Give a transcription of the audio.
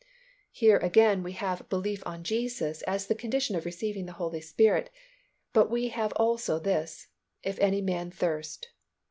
Here again we have belief on Jesus as the condition of receiving the Holy Spirit but we have also this, "If any man thirst."